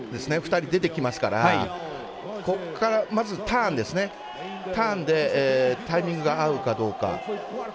２人出てきますからまずターンですね、ターンでタイミングが合うかどうか。